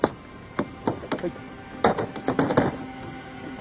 はい。